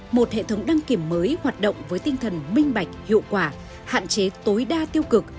một hệ thống đăng kiểm mới hoạt động với tinh thần minh bạch hiệu quả hạn chế tối đa tiêu cực